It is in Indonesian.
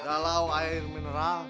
galau air mineral